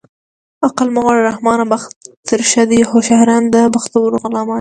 عقل مه غواړه رحمانه بخت ترې ښه دی هوښیاران د بختورو غلامان دي